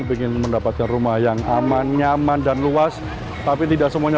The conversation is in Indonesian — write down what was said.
ingin mendapatkan rumah yang aman nyaman dan luas tapi tidak semuanya